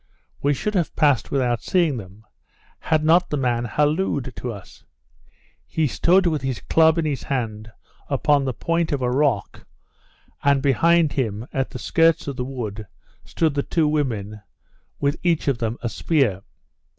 We should have passed without seeing them, had not the man hallooed to us. He stood with his club in his hand upon the point of a rock, and behind him, at the skirts of the wood, stood the two women, with each of them a spear.